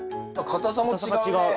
かたさが違う。